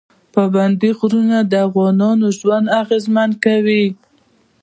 پابندی غرونه د افغانانو ژوند اغېزمن کوي.